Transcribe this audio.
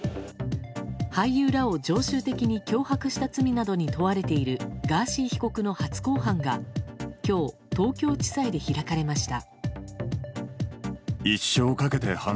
俳優らを常習的に脅迫した罪などに問われているガーシー被告の初公判が今日、東京地裁で開かれました。